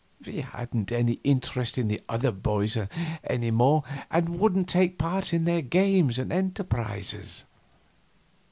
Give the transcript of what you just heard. We hadn't any interest in the other boys any more, and wouldn't take part in their games and enterprises.